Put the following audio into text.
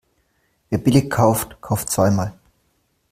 Wer billig kauft, kauft zweimal.